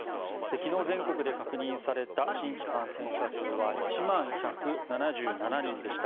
昨日、全国で確認された新規感染者数は１万１７７人でした。